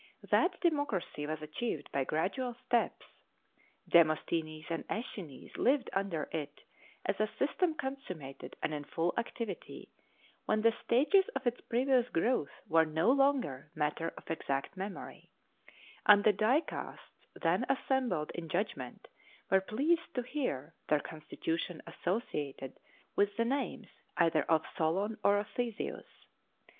That democracy was achieved by gradual steps. Demosthenes and Æschines lived under it as a system consummated and in full activity, when the stages of its previous growth were no longer matter of exact memory; and the dicasts then assembled in judgment were pleased to hear their constitution associated with the names either of Solon or of Theseus.